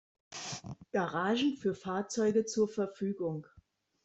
Garagen für Fahrzeuge zur Verfügung.